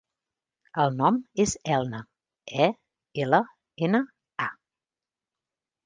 El nom és Elna: e, ela, ena, a.